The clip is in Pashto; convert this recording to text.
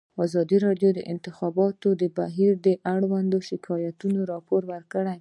ازادي راډیو د د انتخاباتو بهیر اړوند شکایتونه راپور کړي.